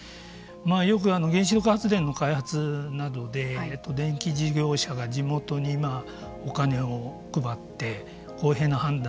よく原子力発電の開発などで電気事業者が地元にお金を配って公平な判断